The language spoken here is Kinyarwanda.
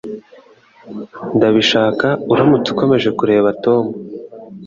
Ndabishaka uramutse ukomeje kureba Tom.